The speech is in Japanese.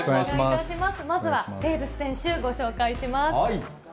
まずはテーブス選手、ご紹介します。